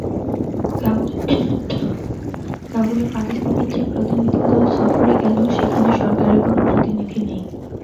কাবুলে পাকিস্তানের যে প্রতিনিধিদল সফরে গেল, সেখানে সরকারের কোনো প্রতিনিধি নেই।